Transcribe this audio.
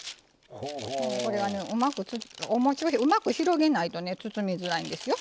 これはね、うまく広げないとね包みづらいんですよ。